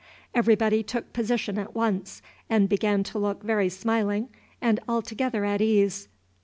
Everybody took position at once, and began to look very smiling and altogether at ease.